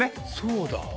そうだ。